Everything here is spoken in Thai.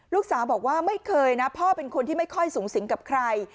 ลูกสาวบอกว่าไม่เคยนะพ่อเป็นคนที่ไม่ค่อยสูงสิงกับใคร